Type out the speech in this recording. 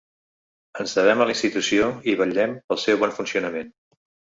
Ens devem a la institució i vetllem pel seu bon funcionament.